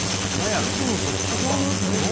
いつもと違うぞ。